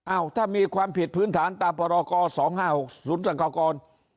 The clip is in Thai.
อ้าวถ้ามีความผิดพื้นฐานตามสองห้าหกศูนย์สังกากร